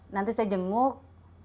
nanti saya jenguk